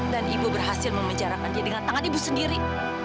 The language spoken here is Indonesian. dan ibu berhasil memenjarakan dia dengan tangan ibu sendiri